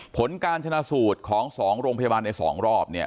ผลการชนะสูตรของ๒โรงพยาบาลใน๒รอบเนี่ย